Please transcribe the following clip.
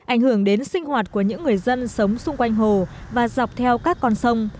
ảnh hưởng đến sinh hoạt của những người dân sống xung quanh hồ và dọc theo các con sông